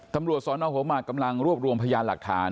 ตำรวจสนหัวหมากกำลังรวบรวมพยานหลักฐาน